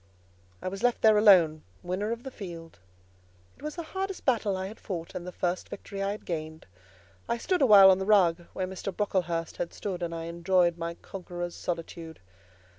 I was left there alone—winner of the field. It was the hardest battle I had fought, and the first victory I had gained: I stood awhile on the rug, where Mr. Brocklehurst had stood, and I enjoyed my conqueror's solitude.